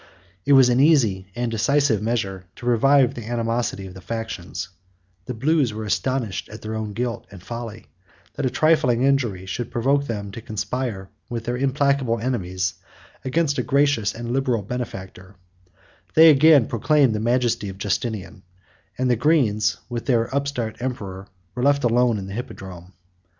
It was an easy and a decisive measure to revive the animosity of the factions; the blues were astonished at their own guilt and folly, that a trifling injury should provoke them to conspire with their implacable enemies against a gracious and liberal benefactor; they again proclaimed the majesty of Justinian; and the greens, with their upstart emperor, were left alone in the hippodrome.